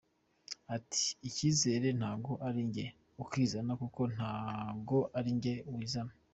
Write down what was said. Ati “Icyizere ntago ari njye ukizana kuko ntago ari njye wizana.